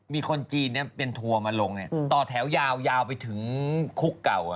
มีคนจีนเป็นทัวร์มาลงต่อแถวยาวไปถึงคุกเก่า